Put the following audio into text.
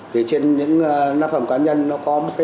thì trên những nắp hầm cá nhân nó có một cái